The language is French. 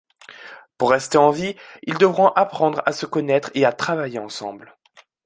Pour rester en vie, ils devront apprendre à se connaître et à travailler ensemble.